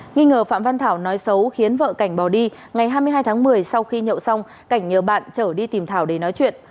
nghi ngờ phạm văn thảo nói xấu khiến vợ cảnh bỏ đi ngày hai mươi hai tháng một mươi sau khi nhậu xong cảnh nhờ bạn trở đi tìm thảo để nói chuyện